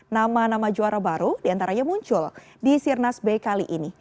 nama nama juara baru diantaranya muncul di sirnas b kali ini